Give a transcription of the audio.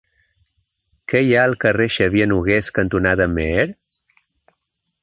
Què hi ha al carrer Xavier Nogués cantonada Meer?